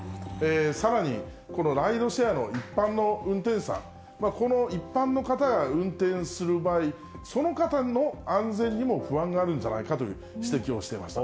さらに、このライドシェアの一般の運転手さん、この一般の方が運転する場合、その方の安全にも不安があるんじゃないかという指摘をしてました。